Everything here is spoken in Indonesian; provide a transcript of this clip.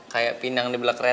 kayak pinang di belakang